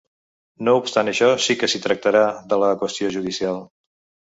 No obstant això, sí que s’hi tractarà de la qüestió judicial.